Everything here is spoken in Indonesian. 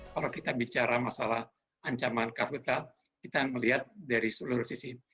kalau kita bicara masalah ancaman kapital kita melihat dari seluruh sisi